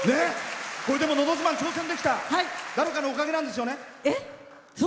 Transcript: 「のど自慢」挑戦できたの誰かのおかげなんですよね。